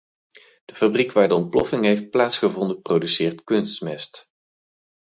De fabriek waar de ontploffing heeft plaatsgevonden, produceert kunstmest.